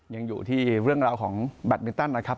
ยังอยู่ที่เรื่องราวของแบตมินตันนะครับ